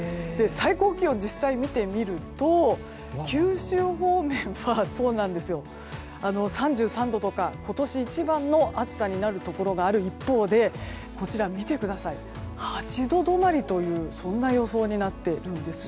最高気温を実際に見てみると九州方面は３３度とか今年一番の暑さになるところがある一方でこちらは８度止まりというそんな予想になっています。